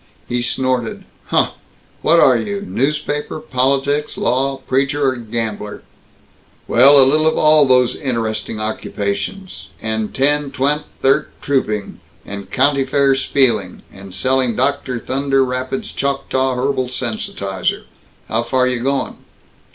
He snorted. "Huh! What are you newspaper, politics, law, preacher, or gambler?" "Well, a little of all those interesting occupations. And ten twent thirt trouping, and county fair spieling, and selling Dr. Thunder Rapids' Choctaw Herbal Sensitizer. How far y' going?"